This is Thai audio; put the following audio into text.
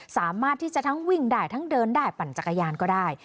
สามารถที่จะทั้งวิ่งได้ทั้งเดินได้ปั่นจักรยานก็ได้